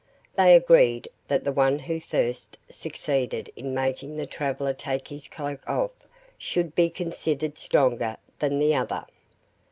They agreed that the one who first succeeded in making the traveler take his cloak off should be considered stronger than the other.